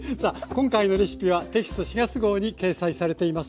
今回のレシピはテキスト４月号に掲載されています。